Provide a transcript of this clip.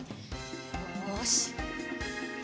よし。